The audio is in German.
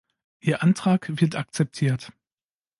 Ihr Antrag wird akzeptiert.